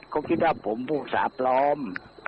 ก็คิดว่ากินว่าผมภูมิคุกษาพลอม